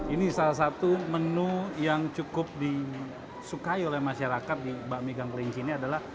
ini salah satu menu yang cukup disukai oleh masyarakat di mbak mika keringkini adalah